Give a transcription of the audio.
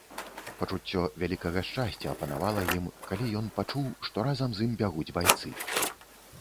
Пачуццё вялікага шчасця апанавала ім, калі ён пачуў, што разам з ім бягуць байцы.